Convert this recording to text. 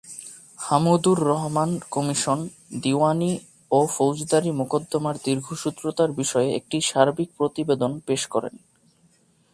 Hamoodur Rahman commission দীউয়ানি ও ফৌজদারি মোকদ্দমার দীর্ঘসূত্রতার বিষয়ে একটি সার্বিক প্রতিবেদন পেশ করেন।